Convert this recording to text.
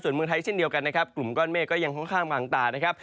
ส่วนเมืองไทยเช่นเดียวกันนะครับกลุ่มก้อนเมฆก็ยังค่อนข้างบางตานะครับ